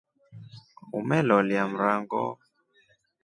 Umeloliya mrango.